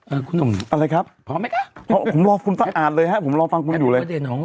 เอิ้ปคุณหนุ่มผมรอคุณสะอาดเลยผมรอฟังคุณอยู่เลย